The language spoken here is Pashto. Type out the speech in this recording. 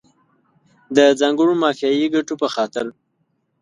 د ځانګړو مافیایي ګټو په خاطر.